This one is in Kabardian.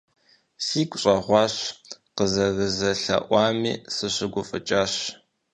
Сигу щӀэгъуащ, къызэрызэлъэӀуами сыщыгуфӀыкӀащ.